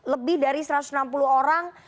lebih dari satu ratus enam puluh orang